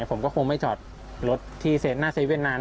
ผมก็คงไม่จอดรถที่หน้าเวียดนาน